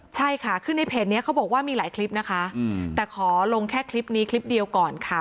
ใช่ค่ะคือในเพจนี้เขาบอกว่ามีหลายคลิปนะคะแต่ขอลงแค่คลิปนี้คลิปเดียวก่อนค่ะ